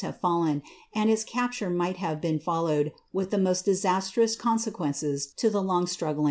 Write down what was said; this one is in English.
e fidlen, and its csptnre might have wed with the most disastrous consequences to the long s|rug^ n.